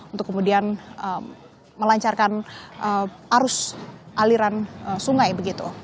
untuk kemudian melancarkan arus aliran sungai begitu